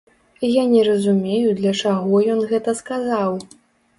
Я не разумею для чаго ён гэта сказаў.